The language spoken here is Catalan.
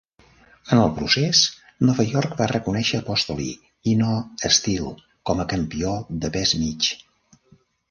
En el procés, Nova York va reconèixer Apostoli, i no Steele, com a campió de pes mig.